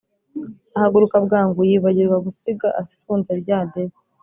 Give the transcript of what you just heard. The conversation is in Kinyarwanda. ahaguruka bwangu yibagirwa gusiga afunze rya debe,